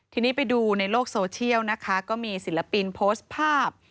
ทีนี้ไปดูในโลกโซเชียลนะคะก็มีศิลปินโพสต์ภาพ